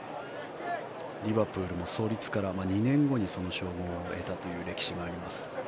リバプールも創立から２年後にその称号を得たという歴史があります。